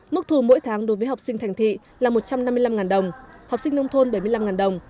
mức thu mỗi tháng đối với học sinh thành thị là một trăm năm mươi năm đồng